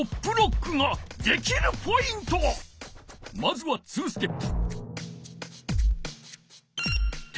まずは２ステップ。